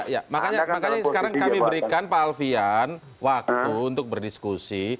ya makanya sekarang kami berikan pak alfian waktu untuk berdiskusi